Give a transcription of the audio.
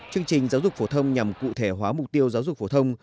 chương trình giáo dục phổ thông nhằm cụ thể hóa mục tiêu giáo dục phổ thông